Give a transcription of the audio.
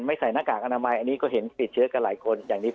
ไม่ใส่หน้ากากอนามัยอันนี้ก็เห็นติดเชื้อกับหลายคน